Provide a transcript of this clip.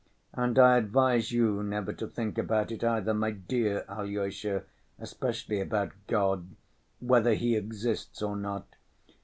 And I advise you never to think about it either, my dear Alyosha, especially about God, whether He exists or not.